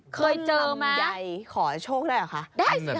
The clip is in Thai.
เคยเจอไหมต้นลำใหญ่ขอโชคได้หรอคะ